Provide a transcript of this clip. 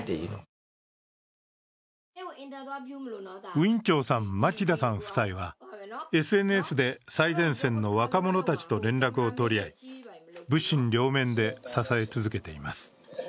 ウィン・チョウさん、マティダさん夫妻は、ＳＮＳで最前線の若者たちと連絡を取り合い、物心両面で支え続けています。